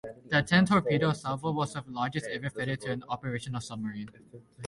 The ten-torpedo salvo was the largest ever fitted to an operational submarine.